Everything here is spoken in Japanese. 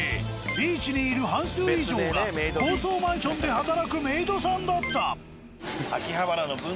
ビーチにいる半数以上が高層マンションで働くメイドさんだった。